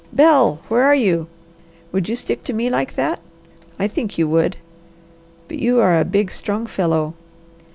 Bel, where are you? Would you stick to me like that? I think you would. But you are a big, strong fellow.